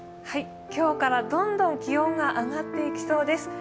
今日からどんどん気温が上がっていきそうです。